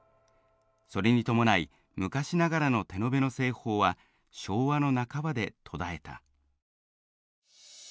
それに伴い昔ながらの手延べの製法は昭和の半ばで途絶えた。